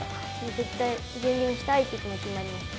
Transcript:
絶対、全決めしたいという気持ちになりました。